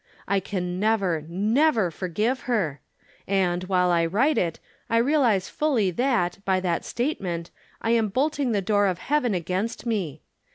I can never, never forgive her; and, while I write it, I realize fully that, by that statement, I am bolting the door of heaven against me.